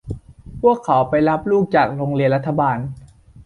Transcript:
พวกเขาไปรับลูกจากโรงเรียนรัฐบาล